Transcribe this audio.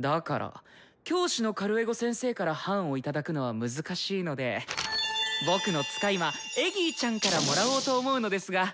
だから「教師」のカルエゴ先生から判を頂くのは難しいので僕の「使い魔」エギーちゃんからもらおうと思うのですが。